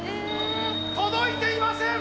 届いていません！